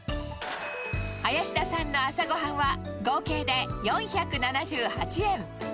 林田さんの朝ごはんは合計で４７８円。